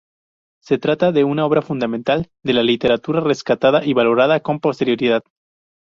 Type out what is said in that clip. Se trata de una obra fundamental de la literatura, rescatada y valorada con posterioridad.